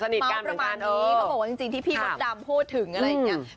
เมาส์ประมาณนี้เขาบอกว่าจริงที่พี่มดดำพูดถึงอะไรอย่างนี้